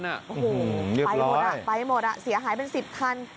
โอ้โหไปหมดอ่ะไปหมดอ่ะเสียหายเป็น๑๐คัน